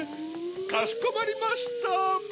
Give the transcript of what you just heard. かしこまりました！